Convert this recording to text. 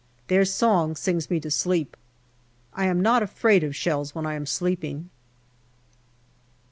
Their song sings me to sleep. I am not afraid of shells when I am sleeping.